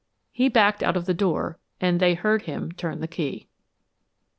He backed out of the door and they heard him turn the key.